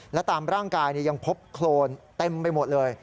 และตามร่างกายยังพบโครนเต็มไปหมดเลย